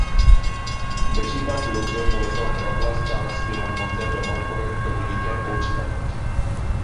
বেশিরভাগ লোকজন মূলত ডগলাস-চার্লস বিমানবন্দর ব্যবহার করে ডোমিনিকায় পৌঁছে থাকে।